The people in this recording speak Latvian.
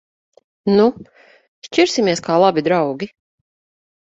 Nu! Šķirsimies kā labi draugi.